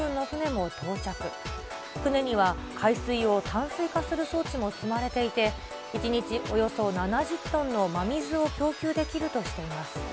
船には海水を淡水化する装置も積まれていて、１日およそ７０トンの真水を供給できるとしています。